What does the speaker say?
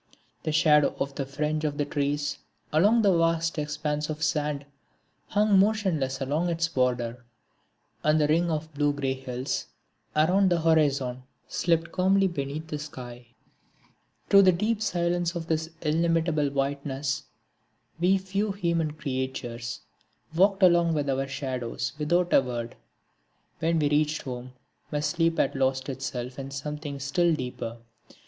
The shadow of the fringe of trees along the vast expanse of sand hung motionless along its border, and the ring of blue grey hills around the horizon slept calmly beneath the sky. [Illustration: Karwar Beach] Through the deep silence of this illimitable whiteness we few human creatures walked along with our shadows, without a word. When we reached home my sleep had lost itself in something still deeper.